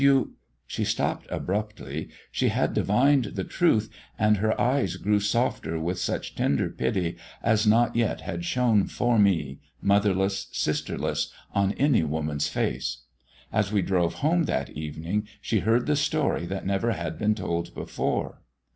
you " She stopped abruptly; she had divined the truth, and her eyes grew softer with such tender pity as not yet had shone for me motherless, sisterless on any woman's face. As we drove home that evening she heard the story that never had been told before.